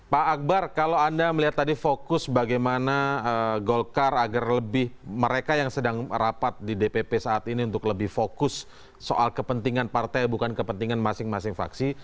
pak akbar kalau anda melihat tadi fokus bagaimana golkar agar lebih mereka yang sedang rapat di dpp saat ini untuk lebih fokus soal kepentingan partai bukan kepentingan masing masing faksi